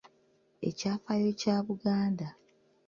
Ekyafaayo kya Buganda.